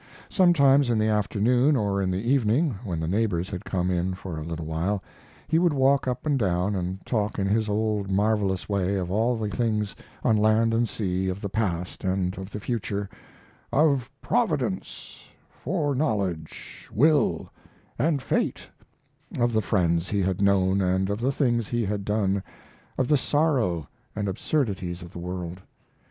Sometimes, in the afternoon or in the evening; when the neighbors had come in for a little while, he would walk up and down and talk in his old, marvelous way of all the things on land and sea, of the past and of the future, "Of Providence, foreknowledge, will, and fate," of the friends he had known and of the things he had done, of the sorrow and absurdities of the world.